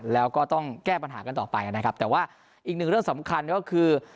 แล้วก็ต้องแก้ปัญหากันต่อไปนะครับแต่ว่าอีกหนึ่งเรื่องสำคัญก็คือ